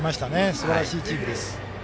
すばらしいチームです。